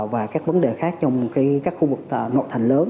và các vấn đề khác trong các khu vực nội thành lớn